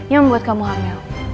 yang membuat kamu hamil